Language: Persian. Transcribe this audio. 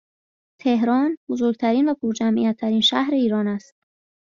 تهران بزرگترین و پرجمعیت ترین شهر ایران است